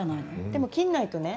でも切んないとね